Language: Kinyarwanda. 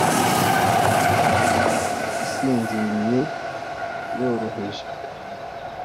inyoni isinziriye yoroheje